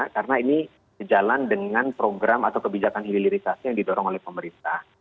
karena ini sejalan dengan program atau kebijakan hilirisasi yang didorong oleh pemerintah